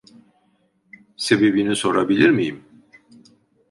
Sebebini sorabilir miyim?